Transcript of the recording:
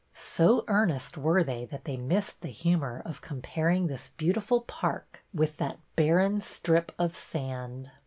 So earnest were they that they missed the humor of comparing this beautiful park with that barren strip of sand.